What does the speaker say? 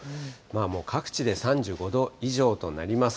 もう各地で３５度以上となります。